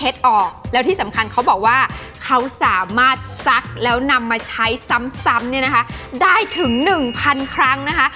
แต่ที่สำคัญเขาบอกว่าเขาสามารถซักแล้วนำมาใช้ซ้ำได้ถึง๑๐๐๐ครั้งนะคะ